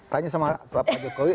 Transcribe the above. tanya sama pak jokowi